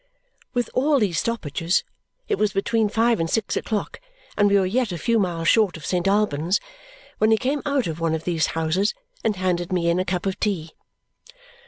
With all these stoppages, it was between five and six o'clock and we were yet a few miles short of Saint Albans when he came out of one of these houses and handed me in a cup of tea.